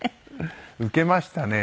受けましたね